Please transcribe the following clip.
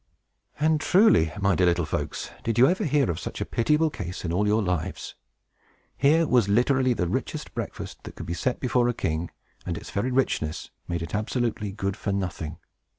And, truly, my dear little folks, did you ever hear of such a pitiable case in all your lives? Here was literally the richest breakfast that could be set before a king, and its very richness made it absolutely good for nothing.